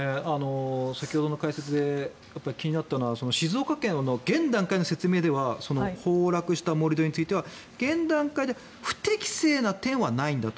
先ほどの解説で気になったのは静岡県の現段階の説明では崩落した盛り土については現段階で不適正な点はないんだと。